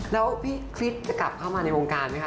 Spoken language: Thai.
แล้วพี่คริสจะกลับเข้ามาในวงการไหมค